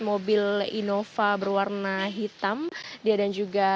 mobil innova berwarna hitam dan juga